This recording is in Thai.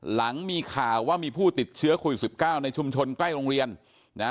หลังมีข่าวว่ามีผู้ติดเชื้อคลม๑๙ในชุมชนใกล้โรงเรียน